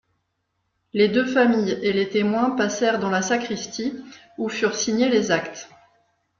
Les deux familles et les témoins passèrent dans la sacristie, où furent signés les actes.